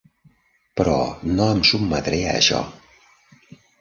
Però no em sotmetré a això!